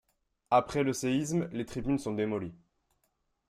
Après le séisme, les tribunes sont démolies.